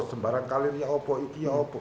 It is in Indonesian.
sembarang kalian ya apa ini ya apa